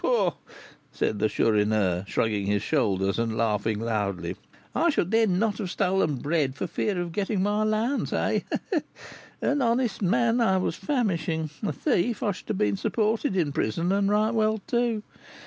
"Pooh!" said the Chourineur, shrugging his shoulders, and laughing loudly, "I should then not have stolen bread, for fear of getting my allowance, eh? An honest man, I was famishing; a thief, I should have been supported in prison, and right well, too!